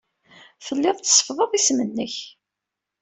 Telliḍ tseffḍeḍ isem-nnek.